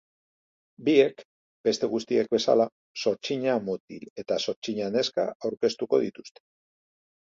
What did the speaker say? Biek, beste guztiek bezala, zortzina mutil eta zortzina neska aurkeztuko dituzte.